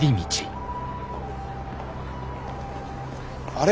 あれ？